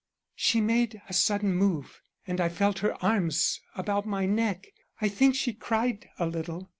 "She made a sudden move, and I felt her arms about my neck. I think she cried a little.